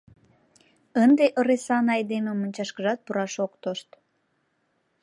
Ынде ыресан айдеме мончашкыжат пураш ок тошт.